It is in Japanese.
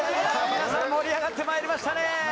皆さん、盛り上がってまいりましたね。